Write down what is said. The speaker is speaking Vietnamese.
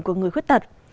của người khuyết tật